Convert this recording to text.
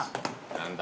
何だ？